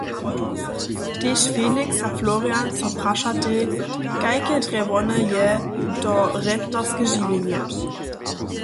Tež Feliks a Florian so prašatej, kajke drje wone je, to rentnarske žiwjenje.